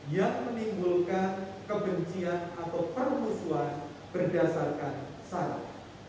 yang menimbulkan kebencian atau permusuhan berdasarkan syarat